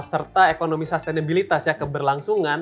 serta ekonomi sustenabilitas ya keberlangsungan